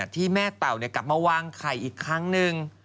ที่แม่เต่ากลับมาวางไข่อีกครั้งหนึ่ง